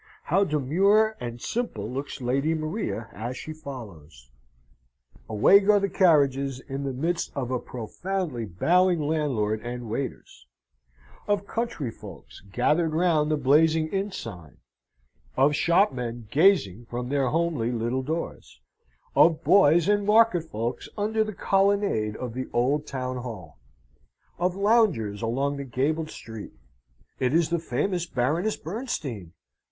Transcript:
how demure and simple looks Lady Maria as she follows! Away go the carriages, in the midst of a profoundly bowing landlord and waiters; of country folks gathered round the blazing inn sign; of shopmen gazing from their homely little doors; of boys and market folks under the colonnade of the old town hall; of loungers along the gabled street. "It is the famous Baroness Bernstein.